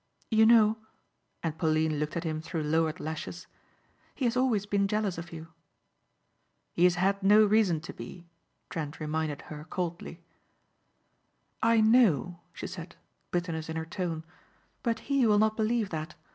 You know," and Pauline looked at him through lowered lashes, "he has always been jealous of you." "He has had no reason to be," Trent reminded her coldly. "I know," she said, bitterness in her tone, "but he will not believe that.